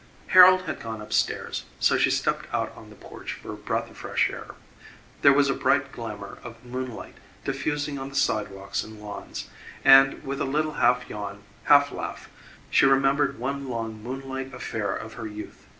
Harold had gone up stairs, so she stepped out on the porch for a breath of fresh air. There was a bright glamour of moonlight diffusing on the sidewalks and lawns, and with a little half yawn, half laugh, she remembered one long moonlight affair of her youth.